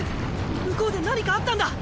向こうで何かあったんだ。